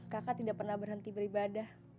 kakak tidak pernah berhenti beribadah